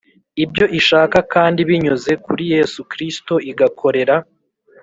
Ibyo ishaka kandi binyuze kuri yesu kristo igakorera